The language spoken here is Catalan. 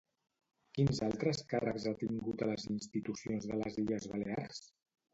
Quins altres càrrecs ha tingut a les institucions de les Illes Balears?